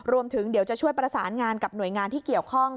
รวมถึงเดี๋ยวจะช่วยประสานงานกับหน่วยงานที่เกี่ยวข้อง